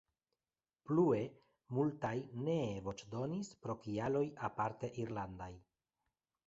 Plue, multaj nee voĉdonis pro kialoj aparte irlandaj.